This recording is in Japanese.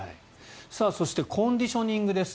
そしてコンディショニングです。